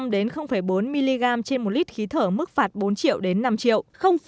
hai mươi năm đến bốn mg trên một lít khí thở mức phạt bốn triệu đến năm triệu